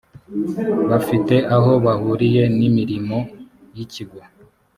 bafite aho bahuriye n’imirimo y’ikigo